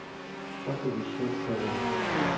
Так увійшли в село.